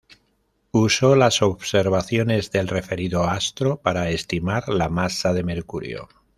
Usó las observaciones del referido astro para estimar la masa de Mercurio.